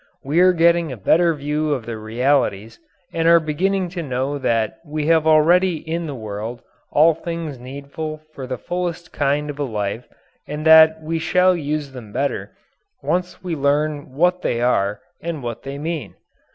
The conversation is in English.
We are getting a better view of the realities and are beginning to know that we have already in the world all things needful for the fullest kind of a life and that we shall use them better once we learn what they are and what they mean.